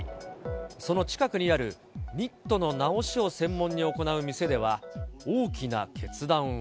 その近くにある、ニットの直しを専門に行う店では、大きな決断を。